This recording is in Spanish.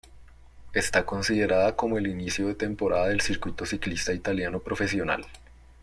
Está considerada como el inicio de temporada del circuito ciclista italiano profesional.